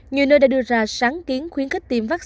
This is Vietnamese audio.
nhiều nơi đã đưa ra sáng kiến khuyến khích cho người cao tuổi